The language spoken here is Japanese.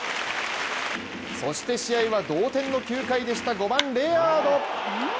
そして試合は同点の９回でした、５番・レアード。